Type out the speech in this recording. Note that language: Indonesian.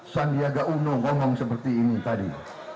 sandiaga uno ngomong seperti ini tadi